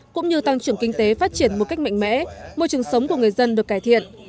cũng như tăng trưởng kinh tế phát triển một cách mạnh mẽ môi trường sống của người dân được cải thiện